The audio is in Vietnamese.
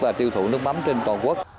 và tiêu thụ nước mắm trên toàn quốc